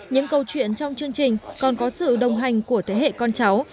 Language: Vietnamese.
những câu chuyện trong chương trình còn có sự đồng hành của thế hệ con cháu